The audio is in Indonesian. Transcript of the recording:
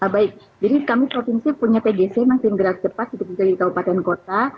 baik jadi kami provinsi punya pgc tim gerak cepat di keputusan keputusan kabupaten kota